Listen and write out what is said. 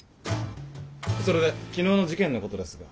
それで昨日の事件のことですが。